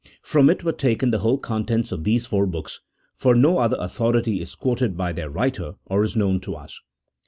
From it were taken the whole contents of these four books, for no other authority is quoted by their writer, or is known to us.